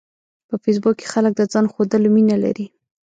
په فېسبوک کې خلک د ځان ښودلو مینه لري